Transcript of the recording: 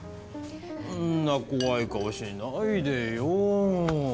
そんな怖い顔しないでよ。